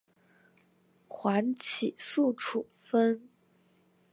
缓起诉处分。